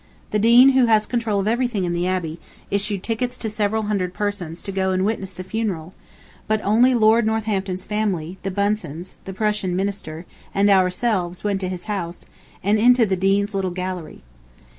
The Dean, who has control of everything in the Abbey, issued tickets to several hundred persons to go and witness the funeral, but only Lord Northampton's family, the Bunsens (the Prussian Minister), and ourselves, went to his house, and into the Dean's little gallery.